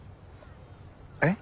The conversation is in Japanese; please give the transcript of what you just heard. えっ？